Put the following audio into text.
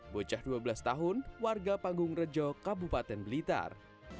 bocah dua belas tahun warga panggung rejo kabupaten blitar